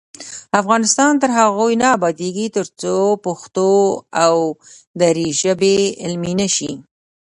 افغانستان تر هغو نه ابادیږي، ترڅو پښتو او دري ژبې علمي نشي.